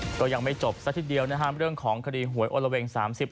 ก็ยังไม่จบสักที่เดียวนะฮะในเรื่องของคดีหวยโอะละเวงสามสิบ